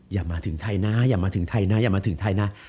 อย่ามาถึงไทยนะอย่ามาถึงไทยนะอย่ามาถึงไทยนะ